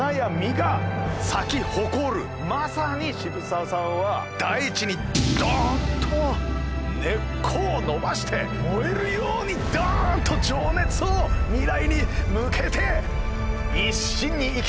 まさに渋沢さんは大地にドンと根っこを伸ばして燃えるようにドンと情熱を未来に向けて一心に生きたのが栄一さんでございます。